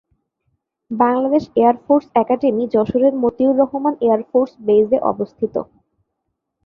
Bangladesh air force academy Jessore এর Motiur Rahman air force বেস-এ অবস্থিত।